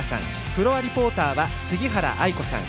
フロアリポーターは杉原愛子さん。